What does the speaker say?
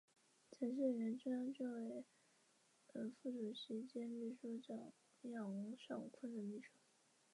胡绣凤当即将关露的心愿汇报给八路军重庆办事处负责人邓颖超。